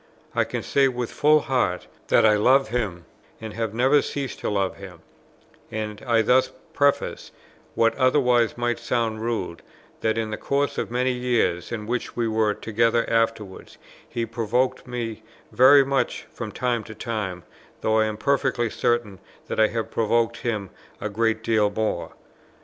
I can say with a full heart that I love him, and have never ceased to love him; and I thus preface what otherwise might sound rude, that in the course of the many years in which we were together afterwards, he provoked me very much from time to time, though I am perfectly certain that I have provoked him a great deal more.